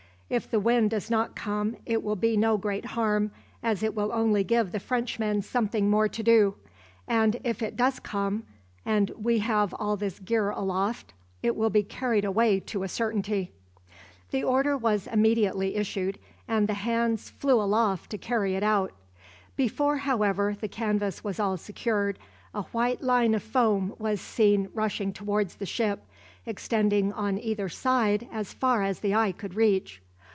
If the wind does not come it will be no great harm, as it will only give the Frenchmen something more to do; and if it does come, and we have all this gear aloft, it will be carried away to a certainty." The order was immediately issued, and the hands flew aloft to carry it out. Before, however, the canvas was all secured, a white line of foam was seen rushing towards the ship, extending on either side as far as the eye could reach.